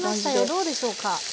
どうでしょうか。